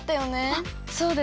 あっそうだよね。